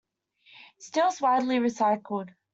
Steel is widely recycled.